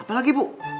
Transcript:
apa lagi bu